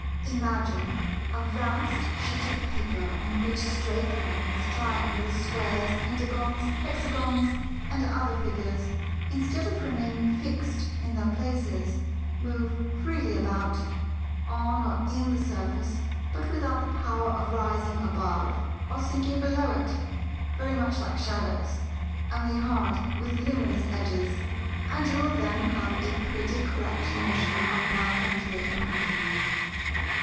Imagine a vast sheet of paper on which straight Lines, Triangles, Squares, Pentagons, Hexagons, and other figures, instead of remaining fixed in their places, move freely about, on or in the surface, but without the power of rising above or sinking below it, very much like shadows—only hard with luminous edges—and you will then have a pretty correct notion of my country and countrymen.